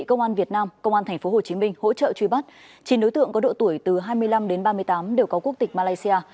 công an tp hcm hỗ trợ truy bắt chín đối tượng có độ tuổi từ hai mươi năm đến ba mươi tám đều có quốc tịch malaysia